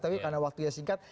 tapi karena waktunya singkat